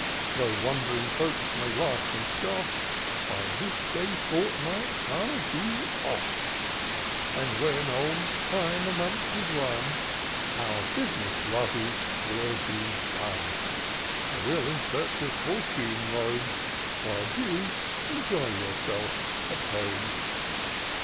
Tho' wond'ring folks may laugh and scoff, By this day fortnight 111 be off; And when old Time a month has run, Our bus'ness, Lovey, will be done. I will in search of fortune roam. While you enjoy yourself at home."